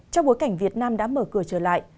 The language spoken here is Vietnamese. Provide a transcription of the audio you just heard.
trong bối cảnh việt nam đã mở cửa trở lại